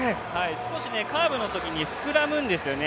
少しカーブのときに膨らむんですよね。